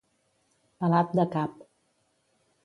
Pelat de cap.